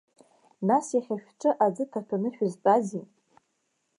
Нас иахьа шәҿы аӡы ҭаҭәаны шәызтәази?